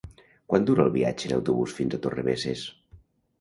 Quant dura el viatge en autobús fins a Torrebesses?